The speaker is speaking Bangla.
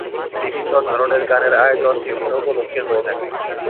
বিভিন্ন ধরনের গানের আয়োজন বিভিন্ন উপলক্ষ্যে হয়ে থাকে।